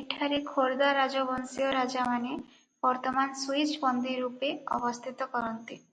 ଏଠାରେ ଖୋର୍ଦା ରାଜବଂଶୀୟ ରାଜାମାନେ ବର୍ତ୍ତମାନ ସ୍ବିଜ ବନ୍ଦୀ ରୁପେ ଅବସ୍ଥିତ କରନ୍ତି ।